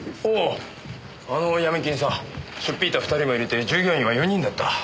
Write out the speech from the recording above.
おおあのヤミ金さあしょっ引いた２人も入れて従業員は４人だった。